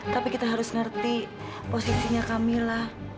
tapi kita harus ngerti posisinya kamila